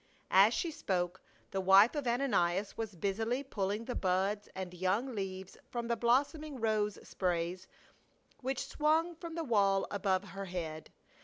As she spoke, the wife of Ananias was busily pulling the buds and young leaves from the blossoming rose sprays which swung from the wall above her head.